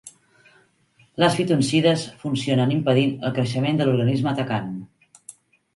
Les phytoncides funcionen impedint el creixement de l'organisme atacant.